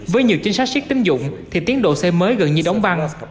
với nhiều chính sách siết tính dụng thì tiến độ xây mới gần như đóng băng